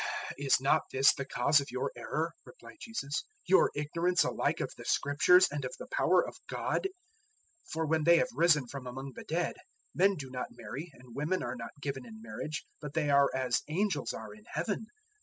012:024 "Is not this the cause of your error," replied Jesus "your ignorance alike of the Scriptures and of the power of God? 012:025 For when they have risen from among the dead, men do not marry and women are not given in marriage, but they are as angels are in Heaven.